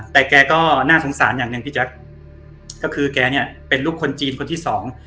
แต่แกก็น่าสงสารอย่างหนึ่งแกเป็นลูกคนจีนคนที่สอง